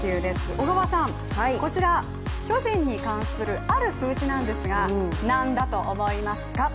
小川さん、こちら、巨人に関するある数字なんですがなんだと思いますか？